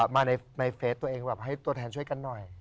มาในเฟสตัวเองแบบให้ตัวแทนช่วยกันหน่อย